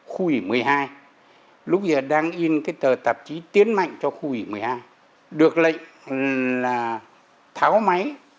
khu ủy một mươi hai lúc giờ đang in cái tờ tạp chí tiến mạnh cho khu ủy một mươi hai được lệnh là tháo máy